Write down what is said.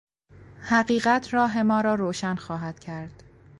حقیقت راه ما را روشن خواهد کرد.